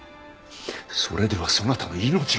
それではそなたの命が！